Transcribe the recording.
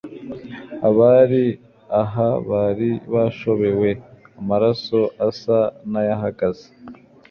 Abari aho bari bashobewe, amaraso asa n'ayahagaze,